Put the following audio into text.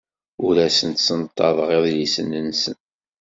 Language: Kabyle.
Ur asen-ssenṭaḍeɣ idlisen-nsen.